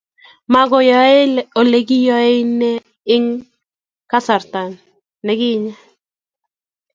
Makoyaye olikiyae eng kasarta ninginye